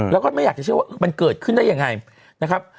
แล้วก็ไม่อยากจะเชื่อว่ามันเกิดขึ้นได้ยังไงนะครับ